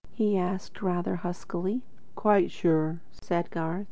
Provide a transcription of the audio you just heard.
he asked rather huskily. "Quite sure," said Garth.